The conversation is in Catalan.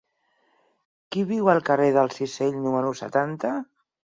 Qui viu al carrer del Cisell número setanta?